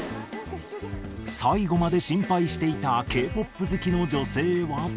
最後まで心配していたＫ−ＰＯＰ好きの女性は。